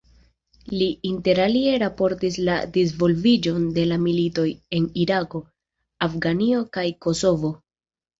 Li interalie raportis la disvolviĝon de la militoj en Irako, Afganio kaj Kosovo.